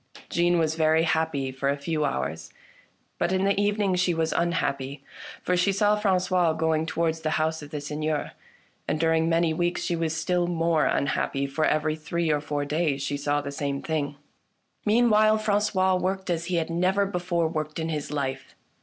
Jeanne was very happy for a few hours, but in the even mg she was unhappy, for she saw Franqois going to wards the house of the Seigneur; and during many weeks she was still more unhappy, for every three or four days she saw the same thing. 144 THE LANE THAT HAD NO TURNING Meanwhile Francois worked as he had never before worked in his life.